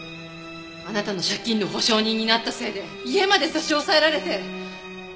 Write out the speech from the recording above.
あなたの借金の保証人になったせいで家まで差し押さえられて！